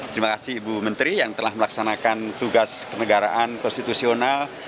terima kasih ibu menteri yang telah melaksanakan tugas kenegaraan konstitusional